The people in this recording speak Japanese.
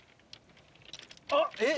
・あっえっ？